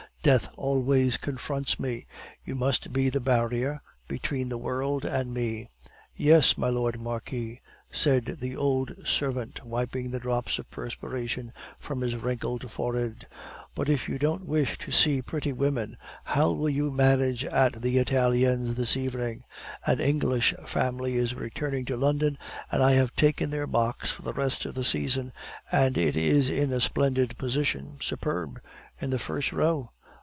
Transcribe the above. Death always confronts me. You must be the barrier between the world and me." "Yes, my Lord Marquis," said the old servant, wiping the drops of perspiration from his wrinkled forehead. "But if you don't wish to see pretty women, how will you manage at the Italiens this evening? An English family is returning to London, and I have taken their box for the rest of the season, and it is in a splendid position superb; in the first row."